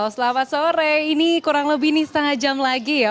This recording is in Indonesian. selamat sore ini kurang lebih ini setengah jam lagi ya